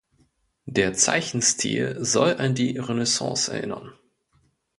Der Zeichenstil soll an die Renaissance erinnern.